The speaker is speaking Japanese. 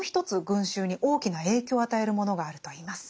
群衆に大きな影響を与えるものがあるといいます。